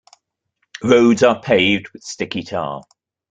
Roads are paved with sticky tar.